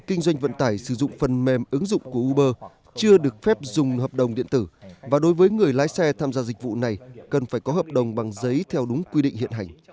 kinh doanh vận tải sử dụng phần mềm ứng dụng của uber chưa được phép dùng hợp đồng điện tử và đối với người lái xe tham gia dịch vụ này cần phải có hợp đồng bằng giấy theo đúng quy định hiện hành